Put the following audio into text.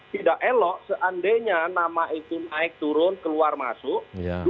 tidak elok seandainya nama itu naik turun keluar masuk